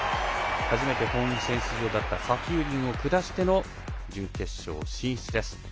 初めて本戦出場だったサフィウリンを下しての準決勝進出です。